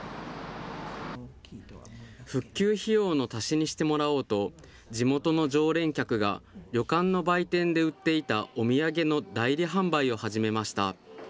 復旧費用の足しにしてもらおうと、地元の常連客が旅館の売店で売っていたお土産の代理販売を始めました。